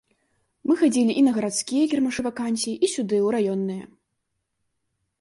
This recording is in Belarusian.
Мы хадзілі і на гарадскія кірмашы вакансій, і сюды, у раённыя.